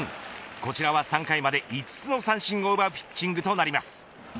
こちらは３回まで５つの三振を奪うピッチングとなります。